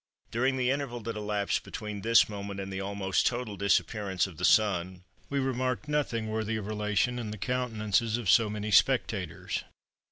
During the interval that elapsed between this moment and the almost total disappearance of the Sun we remarked nothing worthy of relation in the countenances of so many spectators.